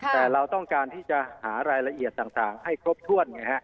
แต่เราต้องการที่จะหารายละเอียดต่างให้ครบถ้วน